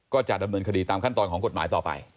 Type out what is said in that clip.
ก็จะดำเนินคดีตามขั้นตอนของกฎหมายต่อไป